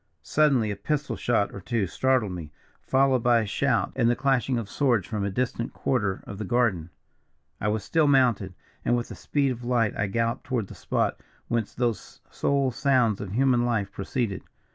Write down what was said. "Suddenly a pistol shot or two startled me, followed by a shout and the clashing of swords from a distant quarter of the garden. "I was still mounted, and with the speed of light I galloped toward the spot whence those sole sounds of human life proceeded.